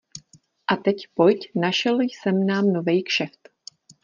A teď pojď, našel jsem nám novej kšeft.